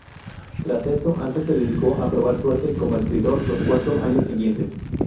Tras esto antes se dedicó a probar suerte como escritor los cuatro años siguientes.